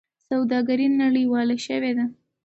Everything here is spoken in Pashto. سوداګري نړیواله شوې ده.